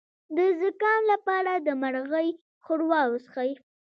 د زکام لپاره د مرغۍ ښوروا وڅښئ